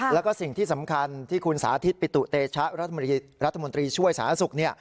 แล้วก็สิ่งที่สำคัญที่คุณสาธิตปิตุเตชะรัฐมนตรีช่วยสาธารณสุข